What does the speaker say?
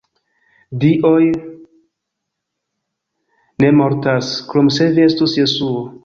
Dioj ne mortas, krom se vi estus Jesuo.